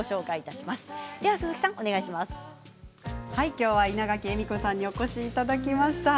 今日は稲垣えみ子さんにお越しいただきました。